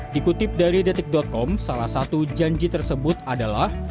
dikutip dari detik com salah satu janji tersebut adalah